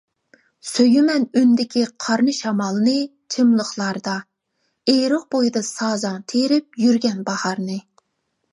سۆيىمەن ئۈندىكى قارنى شامالنى، چىملىقلاردا، ئېرىق بويىدا سازاڭ تېرىپ يۈرگەن باھارنى.